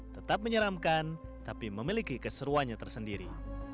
tetap menyeramkan tapi memiliki keseruannya tersendiri